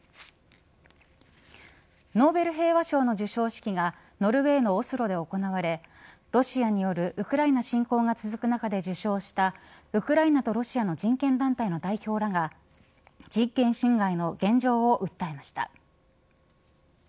ノーベル平和賞の授賞式がノルウェーのオスロで行われロシアによるウクライナ侵攻が続く中で受賞したウクライナとロシアの人権団体の代表らが人権侵害の現状を訴えました。